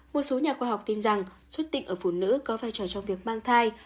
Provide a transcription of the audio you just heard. một số nhà khoa học tin rằng xuất tịnh ở phụ nữ có vai trò trong việc mang thai